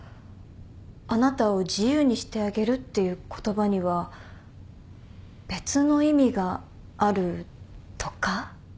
「あなたを自由にしてあげる」っていう言葉には別の意味があるとか？